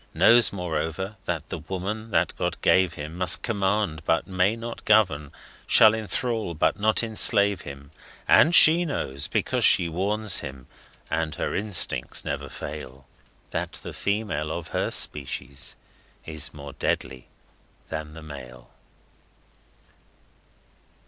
Knows, moreover, that the Woman that God gave him Must command but may not govern; shall enthrall but not enslave him. And She knows, because She warns him and Her instincts never fail, That the female of Her species is more deadly than the male!